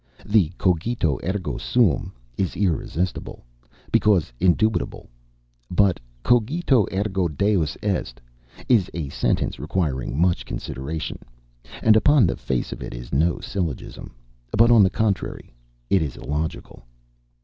The Cogito ergo Sum is irresistible, because indubitable; but Cogito ergo Deus est is a sentence requiring much consideration, and upon the face of it is no syllogism, but, on the contrary, is illogical.